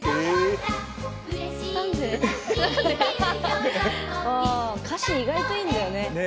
あ歌詞意外といいんだよね。